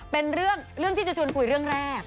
เป็นเรื่องที่จะชวนคุยเรื่องแรก